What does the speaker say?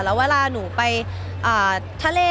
แล้วเวลาหนูไปทะเล